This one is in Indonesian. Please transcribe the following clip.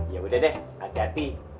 ya udah deh hati hati